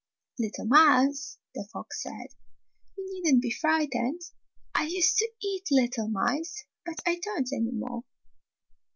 "Little mouse," the fox said, "you need n't be frightened. I used to eat little mice, but I don't any more."